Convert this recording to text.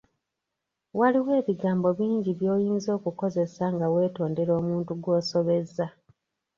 Waliwo ebigambo bingi by'oyinza okukozesa nga weetondera omuntu gw'osobezza.